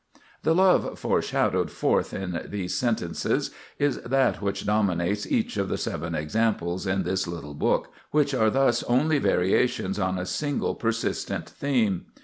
The "love" shadowed forth in these sentences is that which dominates each of the seven "Examples" in this little book, which are thus only variations on a single persistent theme.